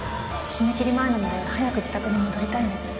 締め切り前なので早く自宅に戻りたいんです。